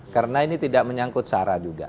karena ini tidak menyangkut searah juga